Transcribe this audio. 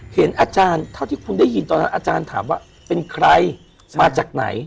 เห็นอาจารย์เท่าที่คุณได้ยินตอนนั้นอาจารย์ถามว่าเป็นใครมาจากไหน